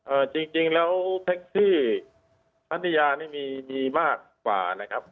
จริงจริงแล้วแท็กซี่พัทยานี่มีมีมากกว่านะครับ